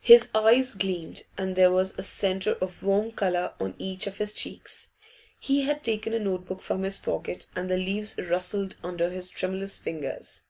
His eyes gleamed, and there was a centre of warm colour on each of his cheeks. He had taken a note book from his pocket, and the leaves rustled under his tremulous fingers.